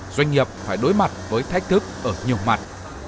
doanh nghiệp phải đối mặt với thách thức ở nhiều mặt